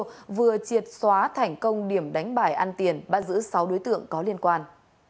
tỉnh bạc liêu vừa triệt xóa thành công điểm đánh bạc ăn tiền bán giữ sáu đối tượng có liên quan